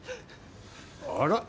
あら？